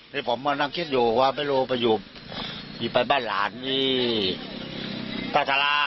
นี่ผมว่านั่งคิดอยู่ว่าเป็นว่าอยู่ไบ้บ้านหลานทัพคราล่ะ